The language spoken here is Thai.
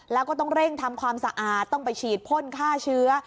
แล้วก็ต้องเร่งทำความสะอาดต้องไปฉีดพ่นฆ่าเชื้อ